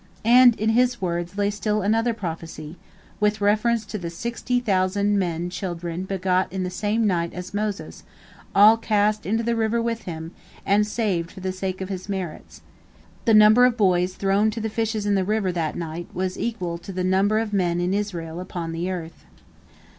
And in his words lay still another prophecy, with reference to the sixty thousand men children begot in the same night as Moses, all cast into the river with him, and saved for the sake of his merits. The number of boys thrown to the fishes in the river that night was equal to the number of men in Israel upon the earth.